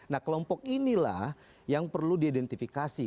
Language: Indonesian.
nah kelompok inilah yang perlu diidentifikasi